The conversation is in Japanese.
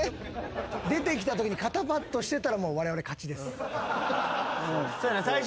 出てきたときに肩パッドしてたらもうわれわれ勝ちです。